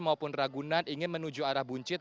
maupun ragunan ingin menuju arah buncit